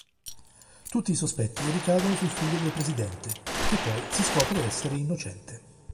Tutti i sospetti ricadono sul figlio del presidente che poi si scopre essere innocente.